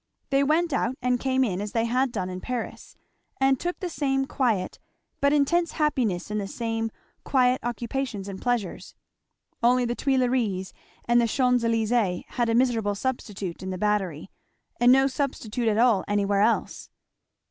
They went out and came in as they had done in Paris, and took the same quiet but intense happiness in the same quiet occupations and pleasures; only the Tuileries and Champs Elysées had a miserable substitute in the Battery, and no substitute at all anywhere else.